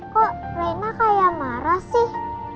kok naima kayak marah sih